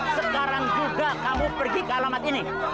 jangan lupa kamu pergi ke alamat ini